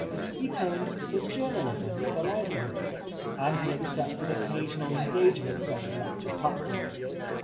He turned to journa lism for livelihood, and he accepted occasional engagements on the lecture platform.